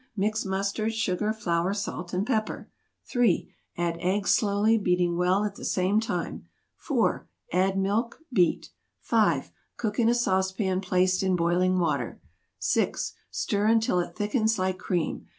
Mix mustard, sugar, flour, salt and pepper. 3. Add egg slowly, beating well at the same time. 4. Add milk. Beat. 5. Cook in a sauce pan placed in boiling water. 6. Stir until it thickens like cream.